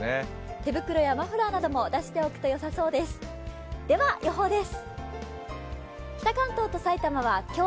手袋やマフラーなども出しておくとよさそうです。